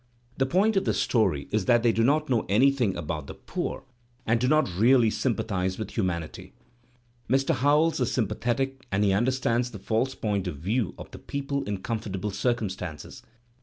The point of the story is that they do not know anything about the poor and do not really sym pathize with humanity. Mr. Howells is sympathetic and he understands the false point of view of the people in com fortable circumstances.